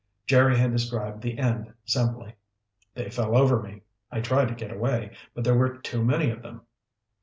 Jerry had described the end simply. "They fell over me. I tried to get away, but there were too many of them."